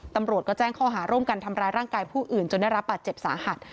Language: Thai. ตำรวจก็แจ้งข้อหาร่วมกันทำร้ายร่างกายผู้อื่นจนได้รับบาดเจ็บสาหัส